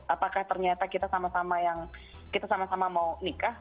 apakah ternyata kita sama sama yang kita sama sama mau nikah